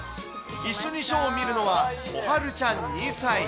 一緒にショーを見るのは、こはるちゃん２歳。